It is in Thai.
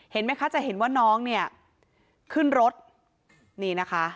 เห็นไหมคะจะเห็นว่าน้องเนี่ยขึ้นรถนี่นะคะ